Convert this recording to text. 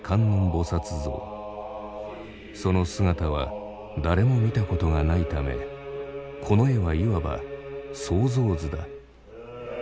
その姿は誰も見たことがないためこの絵はいわば想像図だ。